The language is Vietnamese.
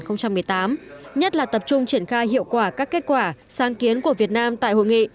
nhất là tập trung triển khai hiệu quả các kết quả sáng kiến của việt nam tại hội nghị